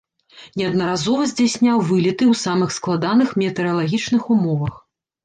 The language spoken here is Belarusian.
Неаднаразова здзяйсняў вылеты ў самых складаных метэаралагічных умовах.